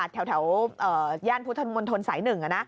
แถวย่านพุทธมนตร์ศัยหนึ่ง